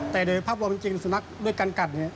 แต่โดยภาพรวมจริงสุนัขด้วยการกัด